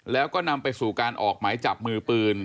แล้วก็นำไปสู่การออกหมายจับมือปืน